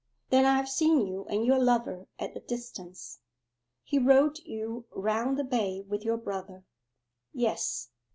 'Then I have seen you and your lover at a distance! He rowed you round the bay with your brother.' 'Yes.